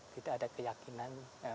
tidak ada keyakinan